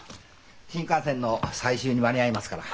新幹線の最終に間に合いますから。